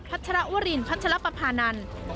พัชรอุรินทร์พัชรประพานันทร์